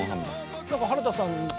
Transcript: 原田さんの。